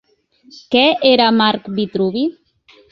Què era Marc Vitruvi?